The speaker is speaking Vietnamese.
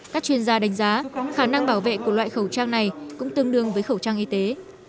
các chuyên gia đánh giá khả năng bảo vệ của loại khẩu trang này cũng tương đương với khẩu trang y tế